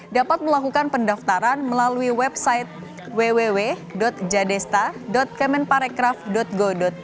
dapat melakukan pendaftaran melalui website www jadesta kemenparekraf go